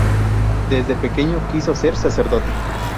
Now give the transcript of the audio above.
De pequeño, quiso ser sacerdote.